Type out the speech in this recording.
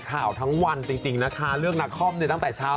ทั้งวันจริงนะคะเรื่องนาคอมเนี่ยตั้งแต่เช้า